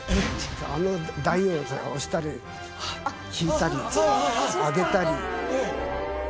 あの台を押したり引いたり上げたり。